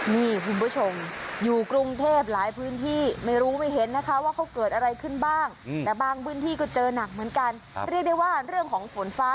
นี่คุณผู้ชมอยู่กรุงเทพหลายพื้นที่ไม่รู้ไม่เห็นนะคะว่าเขาเกิดอะไรขึ้นบ้างแต่บางพื้นที่ก็เจอหนักเหมือนกันเรียกได้ว่าเรื่องของฝนฟ้า